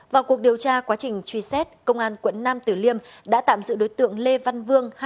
vào cuộc điều tra quá trình truy xét công an quận nam tử liêm đã tạm giữ đối tượng lê văn vương